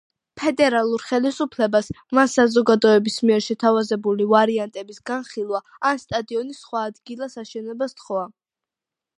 ფედერალურ ხელისუფლებას მან საზოგადოების მიერ შეთავაზებული ვარიანტების განხილვა ან სტადიონის სხვა ადგილას აშენება სთხოვა.